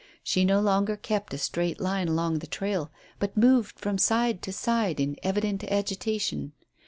She no longer kept a straight line along the trail, but moved from side to side in evident agitation.